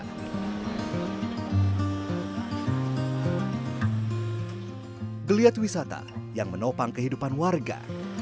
geliat wisata yang menopang kehidupan warga